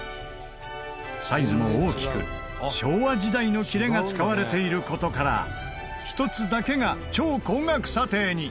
サイズも大きく昭和時代のきれが使われている事から一つだけが超高額査定に。